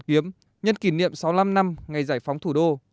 kiếm nhân kỷ niệm sáu mươi năm năm ngày giải phóng thủ đô